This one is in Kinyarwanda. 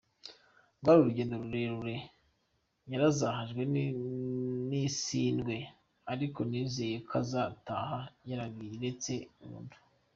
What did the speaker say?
Rwari urugendo rurerure yarazahajwe n’isindwe ariko nizeye ko azataha yarabiretse burundu.